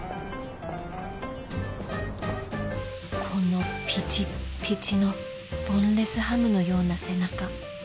このピチッピチのボンレスハムのような背中